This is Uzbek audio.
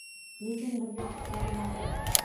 Lekin birga o‘qishgani ma’qul.